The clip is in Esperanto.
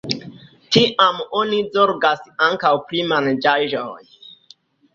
Tiam oni zorgas ankaŭ pri manĝaĵoj.